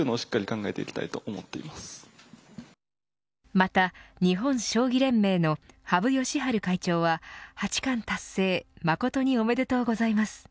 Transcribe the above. また、日本将棋連盟の羽生善治会長は八冠達成誠におめでとうございます。